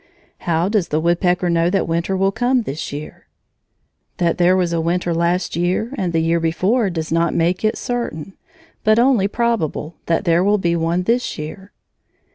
How does the woodpecker know that winter will come this year? That there was a winter last year and the year before does not make it certain, but only probable, that there will be one this year.